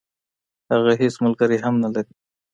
هغه هیڅ ملګری هم نلري.